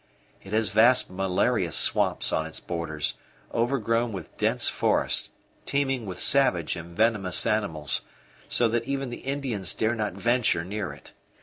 It has vast malarious swamps on its borders, overgrown with dense forest, teeming with savage and venomous animals, so that even the Indians dare not venture near it.